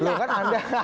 loh kan anda